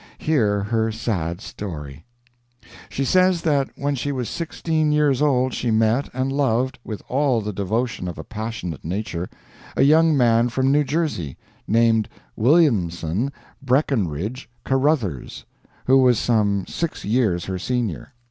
Hear her sad story: She says that when she was sixteen years old she met and loved, with all the devotion of a passionate nature, a young man from New Jersey, named Williamson Breckinridge Caruthers, who was some six years her senior.